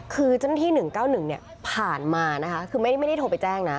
คือเจ้าหน้าที่๑๙๑ผ่านมานะคะคือไม่ได้โทรไปแจ้งนะ